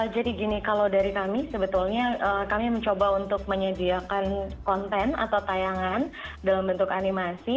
jadi gini kalau dari kami sebetulnya kami mencoba untuk menyediakan konten atau tayangan dalam bentuk animasi